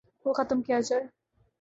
وہ ختم کیا جائے۔